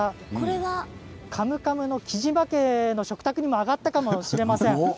「カムカム」の雉真家の食卓にも上がったかもしれません。